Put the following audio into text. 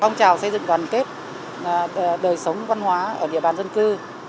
phong trào xây dựng đoàn kết đời sống văn hóa ở địa bàn dân cư